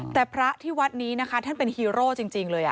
แต่พระที่วัดนี้นะคะท่านเป็นฮีโร่จริงเลย